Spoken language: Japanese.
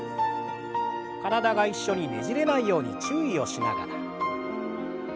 体が一緒にねじれないように注意をしながら。